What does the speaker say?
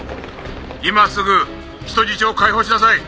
「今すぐ人質を解放しなさい」